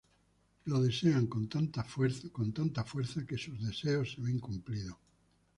Lo desean con tantas fuerzas que su deseo se ve cumplido.